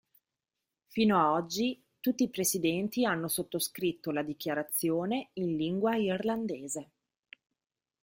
Fino a oggi tutti i presidenti hanno sottoscritto la dichiarazione in lingua irlandese.